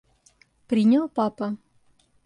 Принял папа?